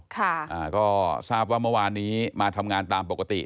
ก็รู้สึกว่าเมื่อวานนี้มาทำงานตามปกติ